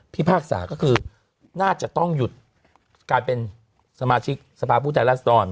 พิพากษาก็คือน่าจะต้องหยุดการเป็นสมาชิกสภาพุทธานักษณ์